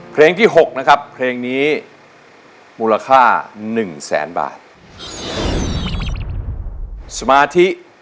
เพลงที่๖นะครับเพลงนี้มูลค่าหนึ่งแสนบาท